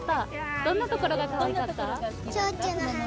どんなところがかわいかった？